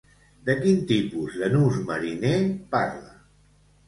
De quin tipus de nus mariner parla?